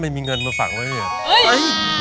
ไม่มีเงินมาฝังไว้ด้วยอะ